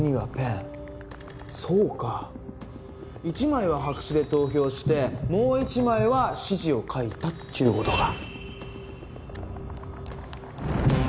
１枚は白紙で投票してもう１枚は指示を書いたっちゅう事か。